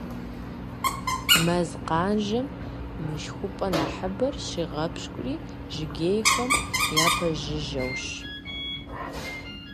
Мэз къанжэм мышхумпӏэ нэхъыбэр щигъэпщкӏури жыгейхэм япэжыжьэущ.